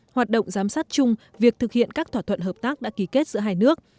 hoạt động giám sát chung việc thực hiện các thỏa thuận hợp tác đã ký kết giữa hai nước